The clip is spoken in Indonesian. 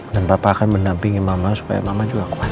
dan papa akan mendampingi mama supaya mama juga kuat